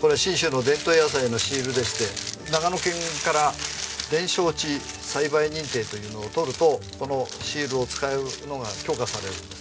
これ信州の伝統野菜のシールでして長野県から伝承地栽培認定というのをとるとこのシールを使うのが許可されるんですね。